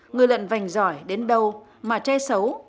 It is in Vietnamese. người lận vành giỏi đến đâu mà tre xấu